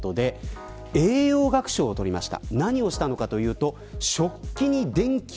栄養学賞を取りました。